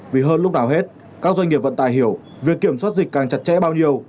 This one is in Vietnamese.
vì hơn lúc nào hết các doanh nghiệp vận tải hiểu việc kiểm soát dịch càng chặt chẽ bao nhiêu